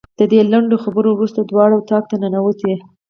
د دې لنډو خبرو وروسته دواړه اتاق ته ننوتې.